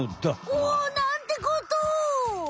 おおなんてことを！